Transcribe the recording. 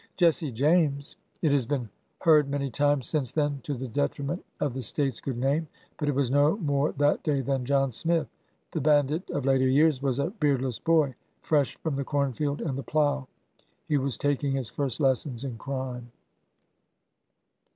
Jesse James ! It has been heard many times since then, to the detriment of the State's good name, but it was no more that day than John Smith. The bandit of later years was a beardless boy, fresh from the corn field and the plow. He was taking his first lessons in crime.